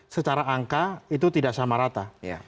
secara angka itu tidak sama rata